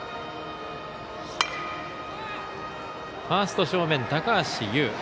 ファースト正面、高橋友。